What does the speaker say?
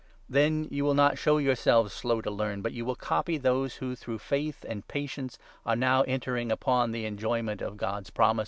Then 12 you will not show yourselves slow to learn, but you will copy those who, through faith and patience, are now entering upon the enjoyment of God's promises.